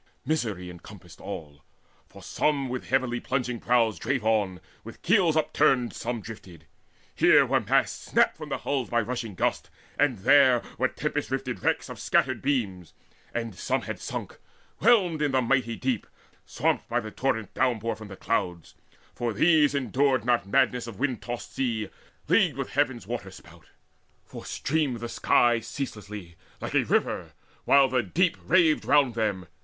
Misery encompassed all; For some with heavily plunging prows drave on, With keels upturned some drifted. Here were masts Snapped from the hull by rushing gusts, and there Were tempest rifted wrecks of scattered beams; And some had sunk, whelmed in the mighty deep, Swamped by the torrent downpour from the clouds: For these endured not madness of wind tossed sea Leagued with heaven's waterspout; for streamed the sky Ceaselessly like a river, while the deep Raved round them.